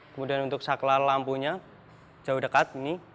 kemudian untuk saklar lampunya jauh dekat ini